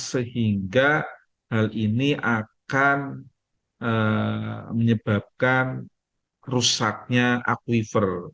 sehingga hal ini akan menyebabkan rusaknya akuifer